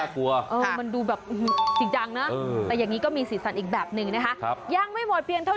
เขามีสีสันอะไรแบบไหนไปชมกันเลยช่ะ